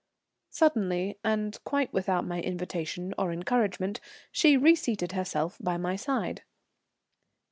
Suddenly, and quite without my invitation or encouragement, she reseated herself by my side.